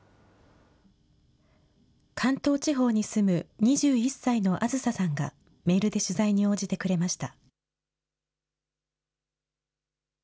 関東地方に住む２１歳のあずささんがメールで取材に応じてくれました。